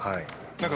何か。